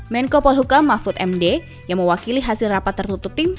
menko polhuka mahfud md yang mewakili hasil rapat tertutup